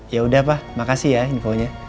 ya udah pak makasih ya infonya